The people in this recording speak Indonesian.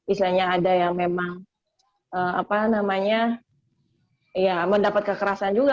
istilahnya ada yang memang mendapat kekerasan juga